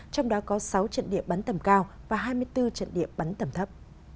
trong đó có sáu trận địa bắn tầm cao và hai mươi bốn trận địa bắn tầm thấp